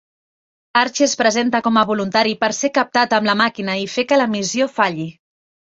Archie es presenta com a voluntari per ser captat amb la màquina i fer que la missió "falli".